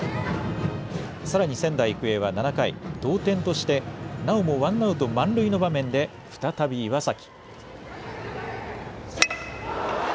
さらに仙台育英は７回、同点としてなおもワンアウト満塁の場面で再び岩崎。